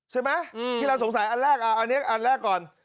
ใช่ไหมที่เราสงสัยอันแรกอันนี้อันแรกก่อน